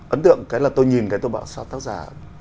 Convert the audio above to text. ấn tượng cái là tôi nhìn cái tôi bảo sát tác giả